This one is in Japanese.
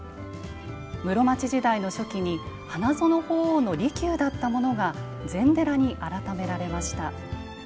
室町時代の初期に花園法皇の離宮だったものが禅寺に改められました。